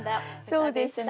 そうですね。